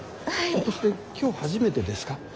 ひょっとして今日初めてですか？